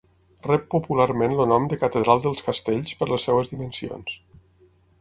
Rep popularment el nom de Catedral dels castells per les seves dimensions.